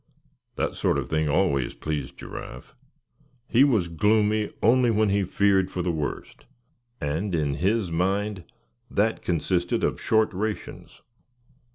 That sort of thing always pleased Giraffe. He was gloomy only when he feared for the worst; and in his mind that consisted of short rations.